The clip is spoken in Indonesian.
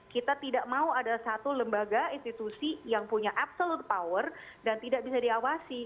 kita tidak mau ada satu lembaga institusi yang punya absolut power dan tidak bisa diawasi